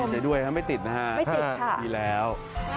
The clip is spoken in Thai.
ดีใจด้วยไม่ติดนะฮะไม่ติดค่ะดีแล้ว